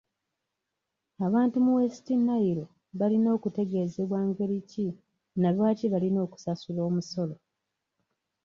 Abantu mu West Nile balina okutegezebwa ngeri ki na lwaki balina okusasula omusolo.